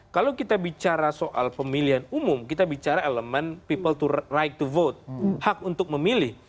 kalau kita bicara soal pemilihan umum kita bicara elemen people to right to vote hak untuk memilih